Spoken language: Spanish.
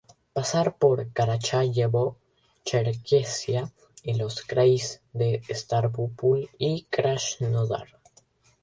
Pasa por Karacháyevo-Cherkesia y los krais de Stávropol y Krasnodar.